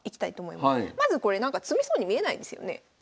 まずこれ詰みそうに見えないですよね。